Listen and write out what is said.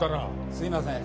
すいません。